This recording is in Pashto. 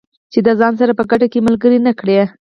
چې د ځان سره په ګټه کې ملګري نه کړي.